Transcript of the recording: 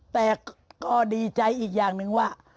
แต่ก็ดีใจอีกอย่างหนึ่งว่า